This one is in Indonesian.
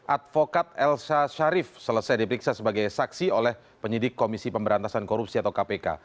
advokat elsa sharif selesai diperiksa sebagai saksi oleh penyidik komisi pemberantasan korupsi atau kpk